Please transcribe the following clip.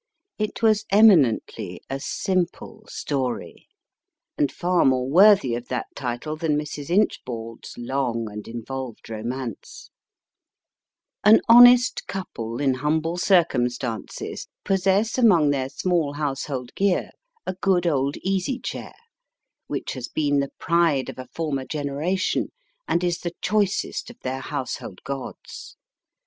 It was eminently a Simple Story, and far more worthy of that title than Mrs. Inchbald s long and involved romance. THE HALL T 12 MY FIRST BOOK An honest couple, in humble circumstances, possess among their small household gear a good old easy chair, which has been the pride of a former generation, and is the choicest of their household gods.